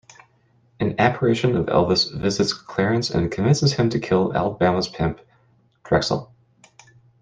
An apparition of Elvis visits Clarence and convinces him to kill Alabama's pimp Drexl.